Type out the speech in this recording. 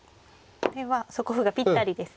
これは底歩がぴったりですね。